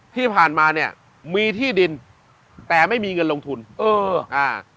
ที่ผ่านมาเนี้ยมีที่ดินแต่ไม่มีเงินลงทุนเอออ่า